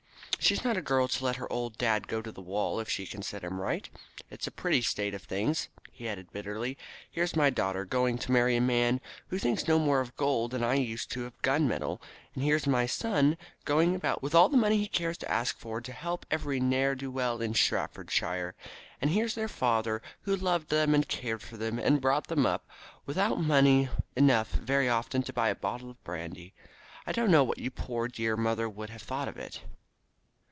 She's not a girl to let her old dad go to the wall if she can set him right. It's a pretty state of things," he added bitterly: "here's my daughter going to marry a man who thinks no more of gold than I used to of gun metal; and here's my son going about with all the money he cares to ask for to help every ne'er do well in Staffordshire; and here's their father, who loved them and cared for them, and brought them both up, without money enough very often to buy a bottle of brandy. I don't know what your poor dear mother would have thought of it."